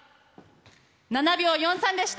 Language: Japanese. ７秒４３でした。